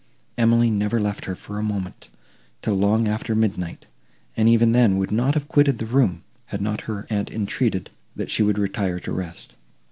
Emily never left her, for a moment, till long after midnight, and even then would not have quitted the room, had not her aunt entreated, that she would retire to rest.